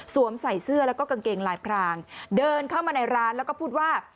ใส่เสื้อแล้วก็กางเกงลายพรางเดินเข้ามาในร้านแล้วก็พูดว่า